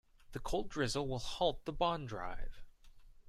The cold drizzle will halt the bond drive.